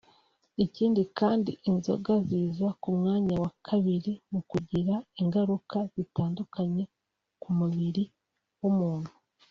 Ikindi kandi inzoga ziza ku mwanya wa kabiri mu kugira ingaruka zitandukanye ku mubiri w’umuntu